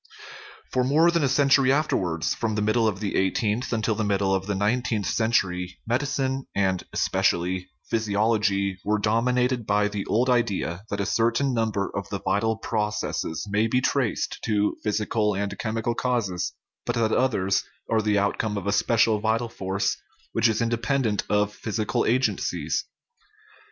42 OUR LIFE For more than a century afterwards, from the mid dle of the eighteenth until the middle of the nineteenth century, medicine and (especially) physiology were dominated by the old idea that a certain number of the vital processes may be traced to physical and chemical causes, but that others are the outcome of a special vital force which is independent of physical agencies.